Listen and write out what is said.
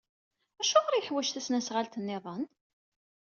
Acuɣer i yeḥwaj tasnasɣalt niḍen?